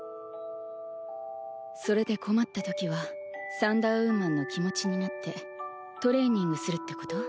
それで困ったときはサンダーウーマンの気持ちになってトレーニングするってこと？